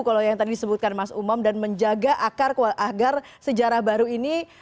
kalau yang tadi disebutkan mas umam dan menjaga akar agar sejarah baru ini